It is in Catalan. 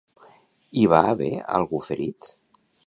Hi va haver algú ferit?